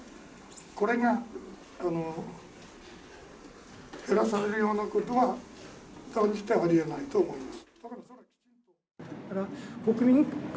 これが減らされるようなことは断じてあり得ないと思います。